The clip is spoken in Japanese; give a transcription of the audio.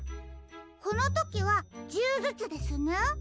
このときは１０ずつですね。